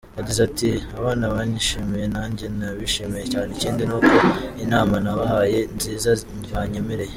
Yagize ati “Abana banyishimiye nanjye nabishimiye cyane, ikindi ni uko inama nabahaye nziza banyemereye.